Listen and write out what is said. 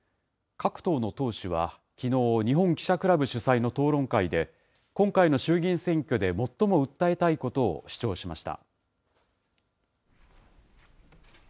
各党の党首はきのう、日本記者クラブ主催の討論会で、今回の衆議院選挙で最も訴えたいことを主張しました。